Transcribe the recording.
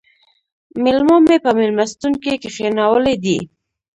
مېلما مې په مېلمستون کې کښېناولی دی